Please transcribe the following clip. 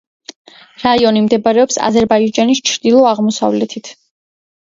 რაიონი მდებარეობს აზერბაიჯანის ჩრდილო-აღმოსავლეთით.